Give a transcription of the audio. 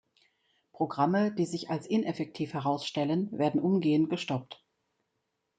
Programme, die sich als ineffektiv herausstellen, werden umgehend gestoppt.